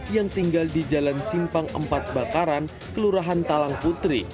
yang tinggal di jalan simpang empat bakaran kelurahan talang putri